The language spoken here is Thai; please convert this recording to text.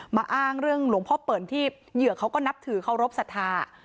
มาอ้างเรื่องหลวงพ่อเปิ่นที่เหยื่อเขาก็นับถือเคารพสัทธา